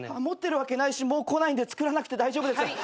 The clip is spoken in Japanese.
持ってるわけないしもう来ないんで作らなくて大丈夫です。